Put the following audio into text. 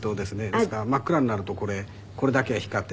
ですから真っ暗になるとこれだけが光って。